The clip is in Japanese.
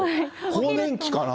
更年期かな？